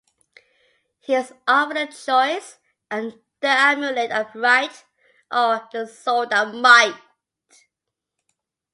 He is offered a choice: the Amulet of Right or the Sword of Might.